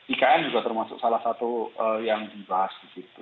ikn juga termasuk salah satu yang dibahas begitu